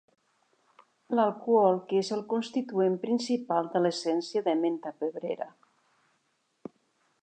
L'alcohol que és el constituent principal de l'essència de menta pebrera.